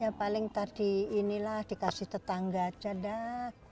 ya paling tadi inilah dikasih tetangga aja dah